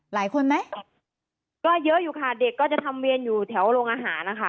หลายคนไหมก็เยอะอยู่ค่ะเด็กก็จะทำเวียนอยู่แถวโรงอาหารนะคะ